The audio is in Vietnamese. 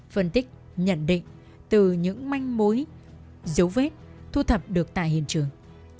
phân tích nhận định từ những manh mối dấu vết thu thập được tại hiện trường